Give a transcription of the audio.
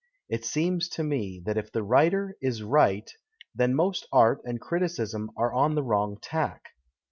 It seems to me that if the writer is right, then most art and criticism are on the \\Tong tack.